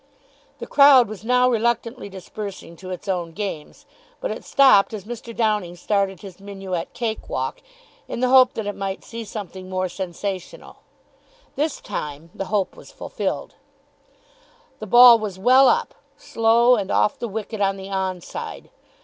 The crowd was now reluctantly dispersing to its own games, but it stopped as Mr. Downing started his minuet cake walk, in the hope that it might see something more sensational. This time the hope was fulfilled. The ball was well up, slow, and off the wicket on the on side.